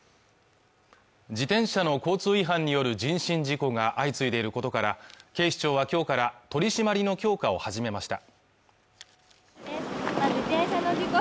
自転車の交通違反による人身事故が相次いでいることから警視庁はきょうから取締りの強化を始めました